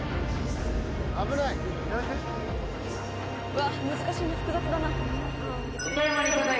うわ難しいな複雑だな。